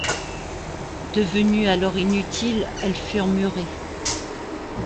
Devenues alors inutiles, elles furent murées.